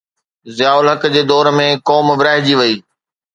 ضياءُ الحق جي دور ۾ قوم ورهائجي وئي.